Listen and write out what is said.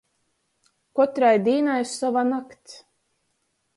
Kotrai dīnai sova nakts.